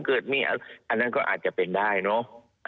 อันนั้นก็อาจจะเป็นได้เนอะ